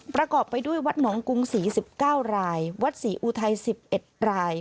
ประกอบไปด้วยวัดหนองกรุงศรี๑๙รายวัดศรีอุทัย๑๑ราย